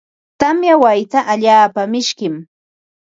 Tamya wayta allaapa mishkim.